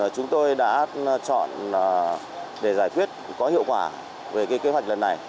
chúng tôi đã chọn để giải quyết có hiệu quả về kế hoạch lần này